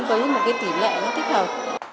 với một cái tỷ lệ nó thích hợp